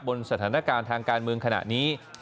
สถานการณ์ทางการเมืองขณะนี้